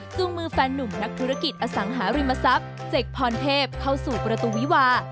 มือแฟนนุ่มนักธุรกิจอสังหาริมทรัพย์เจกพรเทพเข้าสู่ประตูวิวา